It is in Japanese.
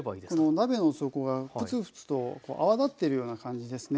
鍋の底がフツフツと泡立ってるような感じですね。